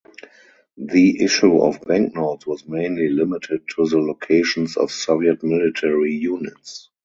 The issue of banknotes was mainly limited to the locations of Soviet military units.